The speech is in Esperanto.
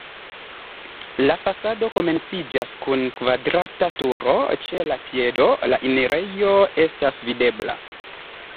La fasado komenciĝas kun kvadrata turo, ĉe la piedo la enirejo estas videbla.